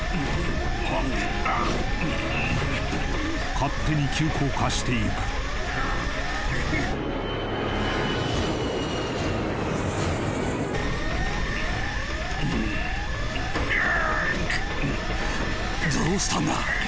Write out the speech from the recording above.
勝手に急降下していくうーっどうしたんだ？